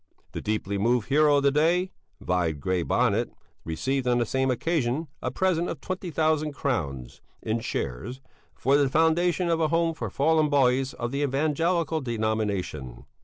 The deeply moved hero of the day (vide Grey Bonnet) received on the same occasion a present of 20,000 crowns (in shares) for the foundation of a Home for Fallen Boys of the Evangelical Denomination.